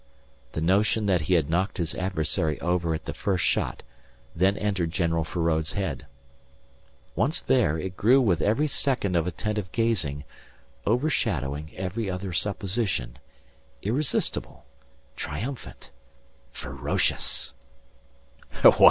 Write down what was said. The notion that he had knocked his adversary over at the first shot then entered General Feraud's head. Once there, it grew with every second of attentive gazing, overshadowing every other supposition irresistible triumphant ferocious.